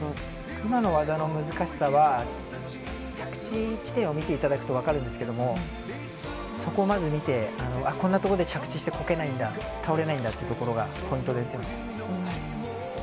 今の技の難しさは、着地地点を見ていただくと分かるんですけれども、そこをまず見て、こんな所で着地してこけないんだ、倒れないんだというところがポイントですよね。